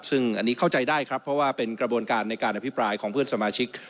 ซึ่งอันนี้เข้าใจได้ครับเพราะว่าเป็นกระบวนการในการอภิปรายของเพื่อนสมาชิก